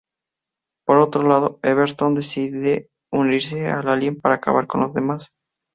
Por otro lado, Everton decide unirse al alien para acabar con los demás.